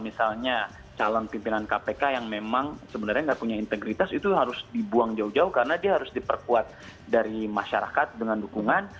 misalnya calon pimpinan kpk yang memang sebenarnya nggak punya integritas itu harus dibuang jauh jauh karena dia harus diperkuat dari masyarakat dengan dukungan